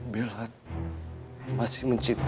bella masih mencintai aku